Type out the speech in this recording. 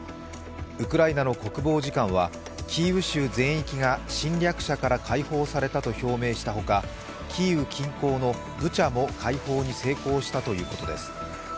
ウクライナの国防次官はキーウ州全域が侵略者から解放されたと表明したほかキーウ近郊のブチャも解放に成功したということです。